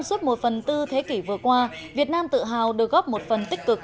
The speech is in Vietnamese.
suốt một phần tư thế kỷ vừa qua việt nam tự hào được góp một phần tích cực